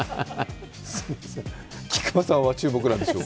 菊間さんは注目なんでしょう？